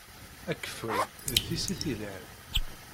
Akeffay d tissit yelhan.